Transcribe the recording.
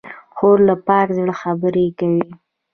خور له پاک زړه خبرې کوي.